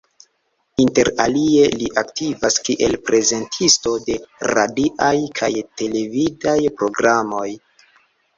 Inter alie li aktivas kiel prezentisto de radiaj kaj televidaj programoj.